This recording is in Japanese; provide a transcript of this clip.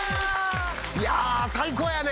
いや最高やね！